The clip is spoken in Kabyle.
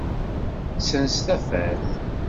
Sens tafat.